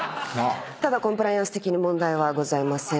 ただコンプライアンス的に問題はございません。